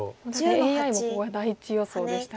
ＡＩもここが第１予想でしたが。